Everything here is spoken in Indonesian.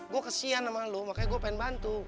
gua kesian sama lu makanya gua pengen bantu